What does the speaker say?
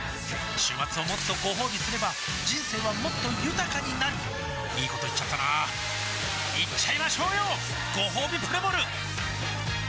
週末をもっとごほうびすれば人生はもっと豊かになるいいこと言っちゃったなーいっちゃいましょうよごほうびプレモル